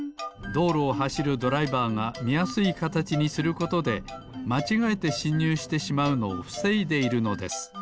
どうろをはしるドライバーがみやすいかたちにすることでまちがえてしんにゅうしてしまうのをふせいでいるのです。